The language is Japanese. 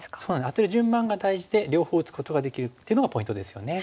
アテる順番が大事で両方打つことができるっていうのがポイントですよね。